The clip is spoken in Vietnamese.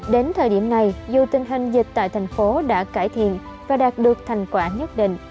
đến thời điểm này dù tình hình dịch tại thành phố đã cải thiện và đạt được thành quả nhất định